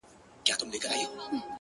دا ستاد كلـي كـاڼـى زمـا دوا ســـوه ـ